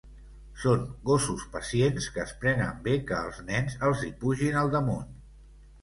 Són gossos pacients que es prenen bé que els nens els hi pugin al damunt.